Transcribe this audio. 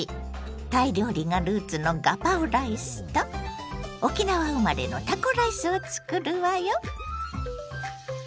タイ料理がルーツのガパオライスと沖縄生まれのタコライスをつくるわよ。